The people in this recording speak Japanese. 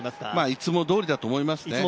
いつもどおりだと思いますね。